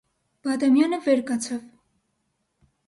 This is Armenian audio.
Բադամյանը վեր կացավ: